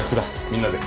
みんなで。